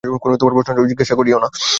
কোন প্রশ্ন জিজ্ঞাসা করিও না।